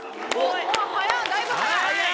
早っだいぶ早い。